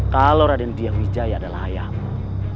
kalau raden diyahwijaya adalah ayahmu